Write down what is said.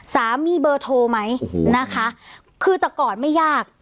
สามีเบอร์โทรไหมนะคะคือแต่ก่อนไม่ยาก